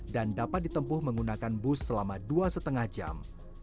dan dapat ditempuh menggunakan bus selama dua lima jam